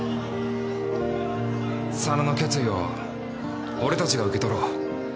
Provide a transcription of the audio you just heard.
佐野の決意を俺たちが受け取ろう。